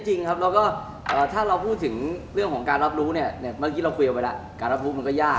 จริงครับแล้วก็ถ้าเราพูดถึงเรื่องของการรับรู้เนี่ยเมื่อกี้เราคุยกันไว้แล้วการรับรู้มันก็ยาก